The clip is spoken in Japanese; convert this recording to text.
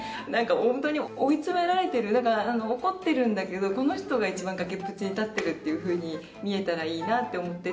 ホントに追い詰められてる怒ってるんだけどこの人が一番崖っぷちに立ってるっていうふうに見えたらいいなって思って。